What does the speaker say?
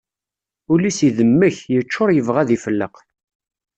Ul-is idemmek yeččur yebɣa ad ifelleq.